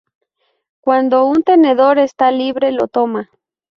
Cuando un tenedor está libre lo toma.